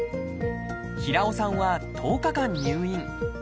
平尾さんは１０日間入院。